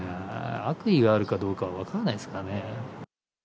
悪意があるかどうかは分からないですからね。